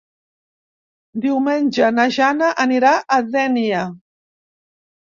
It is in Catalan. Diumenge na Jana anirà a Dénia.